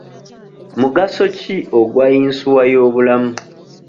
Mugaso ki ogwa yinsuwa y'obulamu?